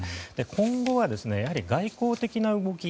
今後は、やはり外交的な動き